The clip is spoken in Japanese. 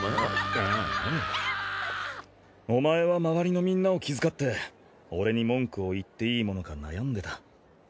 お前は周りのみんなを気遣って俺に文句を言っていいものか悩んでた。